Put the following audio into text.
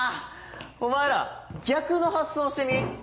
お前ら逆の発想してみ？